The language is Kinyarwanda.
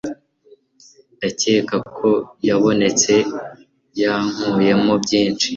Ndakeka ko yabonetse yankuyemo byinshi